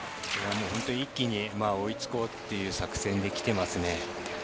一気に追いつこうという作戦で来ていますね。